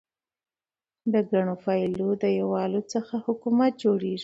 د ګڼو قبایلو د یووالي څخه حکومت جوړيږي.